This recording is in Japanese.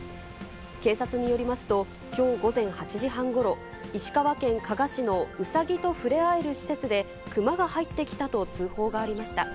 警察によりますと、きょう午前８時半ごろ、石川県加賀市のウサギと触れ合える施設で、クマが入ってきたと通報がありました。